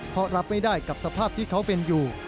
เพราะรับไม่ได้กับสภาพที่เขาเป็นอยู่